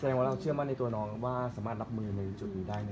แสดงว่าเราเชื่อมั่นในตัวน้องว่าสามารถรับมือในจุดนี้ได้